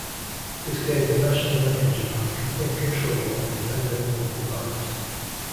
This gave the national Bank of Japan complete control over dependent local banks.